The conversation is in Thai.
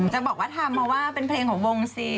จะบอกว่าทำเพราะว่าเป็นเพลงของวงซี